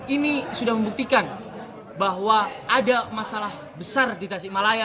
ini sudah membuktikan bahwa ada masalah besar di tasikmalaya